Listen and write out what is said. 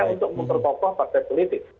untuk memperkokoh partai politik